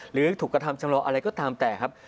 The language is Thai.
หรือถูกกระทำชำลออะไรก็ตามแต่ครับ